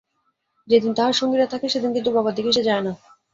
যেদিন তাহার সঙ্গীরা থাকে, সেদিন কিন্তু বাবার দিকে সে যায় না।